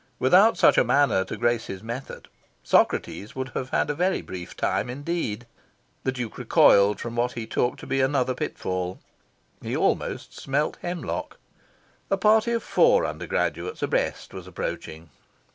Without such a manner to grace his method, Socrates would have had a very brief time indeed. The Duke recoiled from what he took to be another pitfall. He almost smelt hemlock. A party of four undergraduates abreast was approaching.